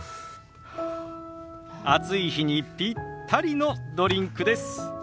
暑い日にピッタリのドリンクです。